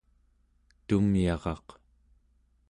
tumyaraq